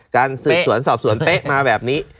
การสืบสวนสอบสวนเป๊ะมาแบบนี้